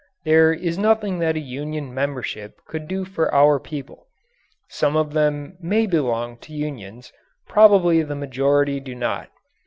There is nothing that a union membership could do for our people. Some of them may belong to unions, probably the majority do not.